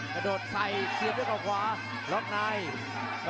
เป็นจุดเปลี่ยนของเกมหรือเปล่าครับ